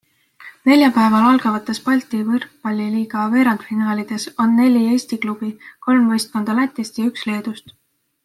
Neljapäeval algavates Balti võrkpalliliiga veerandfinaalides on neli Eesti klubi, kolm võistkonda Lätist ja üks Leedust.